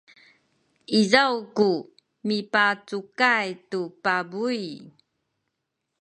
izaw ku mipacukay tu pabuy